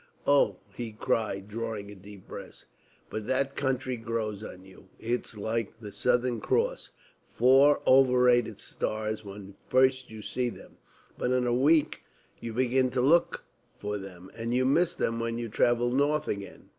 Oh," he cried, drawing a deep breath, "but that country grows on you. It's like the Southern Cross four overrated stars when first you see them, but in a week you begin to look for them, and you miss them when you travel north again."